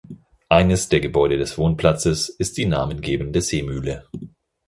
Eines der Gebäude des Wohnplatzes ist die namengebende Seemühle.